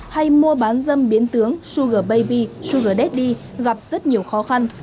hay mua bán dâm biến tướng sugar baby sugar daddy gặp rất nhiều khó khăn